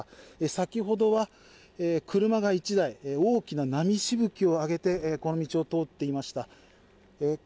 先ほどは車が１台大きな波しぶきを上げてこの道を通っていました。